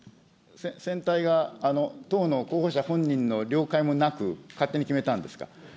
選対が党の候補者本人の了解もなく、勝手に決めたんですか。